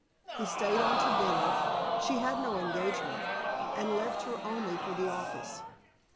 He stayed on to dinner she had no engagement and left her only for the office.